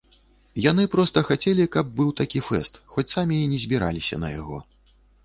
Яны проста хацелі, каб быў такі фэст, хоць самі і не збіраліся на яго.